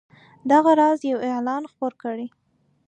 دغه راز یو اعلان خپور کړئ.